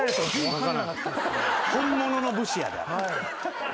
本物の武士やで。